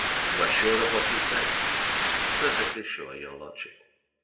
'You are sure of what you say?' 'Perfectly sure, your lordship.'